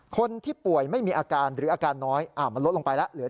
คนที่ป่วยไม่มีอาการหรืออาการน้อยมันลดลงไปแล้วเหลือ